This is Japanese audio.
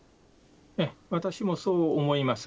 私もそう思います。